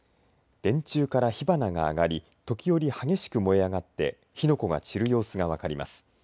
電柱から火花が上がり時折、激しく燃え上がって火の粉が散る様子が分かります。